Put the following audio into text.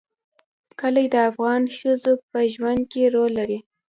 کلي د افغان ښځو په ژوند کې رول لري.